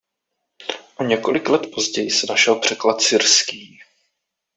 O několik let později se našel překlad syrský.